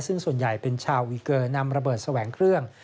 ซึ่งส่วนใหญ่เป็นชาววีเกอร์นำระเบิดแสวงเครื่อง